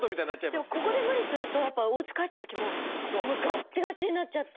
でもここで無理するとやっぱおうち帰ったときもここがガッチガチになっちゃって。